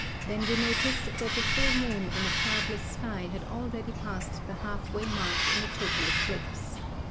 Then we noticed that the full moon in a cloudless sky had already passed the half way mark in a total eclipse.